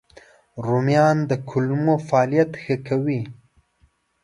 رومیان د کولمو فعالیت ښه کوي